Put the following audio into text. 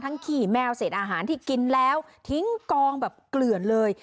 ขี่แมวเศษอาหารที่กินแล้วทิ้งกองแบบเกลือนเลย